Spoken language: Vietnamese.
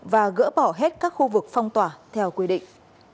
và gỡ bỏ hết các khu vực phong tỏa theo quy định